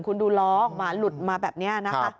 คุณดูล้อออกมาหลุดมาแบบนี้นะคะ